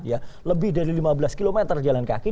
ya lebih dari lima belas km jalan kaki